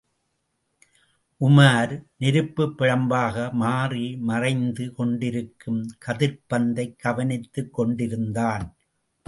உமார், நெருப்புப் பிழம்பாக மாறி மறைந்து கொண்டிருக்கும் கதிர்ப்பந்தைக் கவனித்துக் கொண்டிருந்தான்.